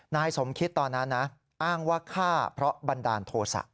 นายสมคิดตอนนั้นนะอ้างว่าฆ่าเพราะบันดาลโทษะ